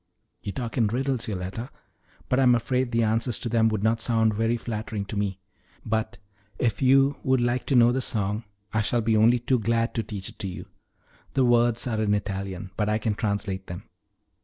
"You talk in riddles, Yoletta; but I'm afraid the answers to them would not sound very flattering to me. But if you would like to know the song I shall be only too glad to teach it to you. The words are in Italian, but I can translate them."